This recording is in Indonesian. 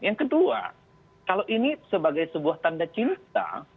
yang kedua kalau ini sebagai sebuah tanda cinta